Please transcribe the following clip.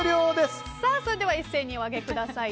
それでは一斉にお上げください。